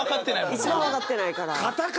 一番わかってないから。